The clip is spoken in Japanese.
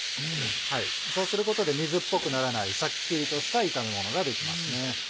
そうすることで水っぽくならないシャッキリとした炒め物ができますね。